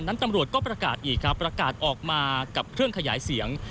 ตำรวจก็ประกาศอีกครับประกาศออกมากับเครื่องขยายเสียง